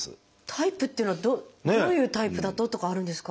タイプっていうのはどういうタイプだととかあるんですか？